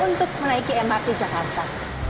untuk menaiki mrt jakarta